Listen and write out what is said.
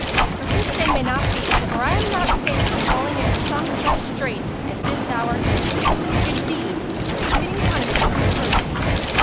But this thing may not be, for I am not safe from falling into some such strait as this thou art in, which, indeed, would be fitting punishment of perfidy.